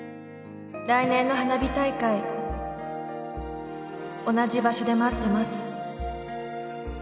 「来年の花火大会同じ場所で待ってます」